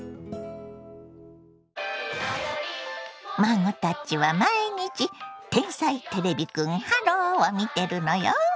孫たちは毎日「天才てれびくんｈｅｌｌｏ，」を見てるのよ。